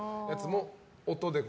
音で？